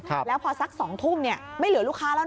แล้วพอสักสองทุ่มเนี่ยไม่เหลือลูกค้าแล้วนะ